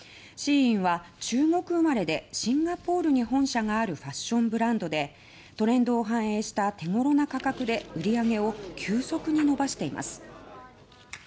ＳＨＥＩＮは中国生まれでシンガポールに本社があるファッションブランドでトレンドを反映した手頃な価格で売り上げを急速に伸ばしています。